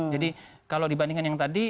jadi kalau dibandingkan yang tadi